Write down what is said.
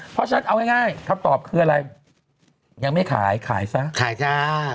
เพราะฉะนั้นเอาง่ายคำตอบคืออะไรยังไม่ขายขายซะขายจ้า